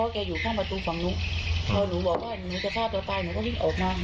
แกก็ตีหนูแล้วพอหนูบอกว่าเดี๋ยวหนูจะฆ่า